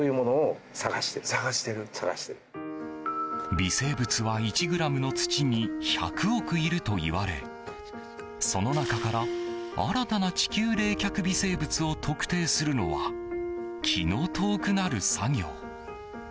微生物は１ｇの土に１００億いるといわれその中から新たな地球冷却微生物を特定するのは気の遠くなる作業。